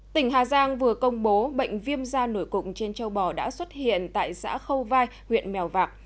tỉnh hà giang vừa công bố bệnh viêm da nổi cục trên châu bò đã xuất hiện tại xã khâu vai huyện mèo vạc